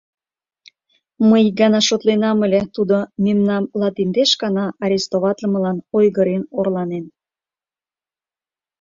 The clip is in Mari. Мый икана шотленам ыле: тудо мемнам латиндеш гана арестоватлымылан ойгырен орланен.